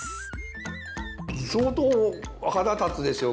相当腹立つでしょう